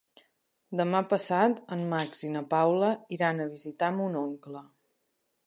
Demà passat en Max i na Paula iran a visitar mon oncle.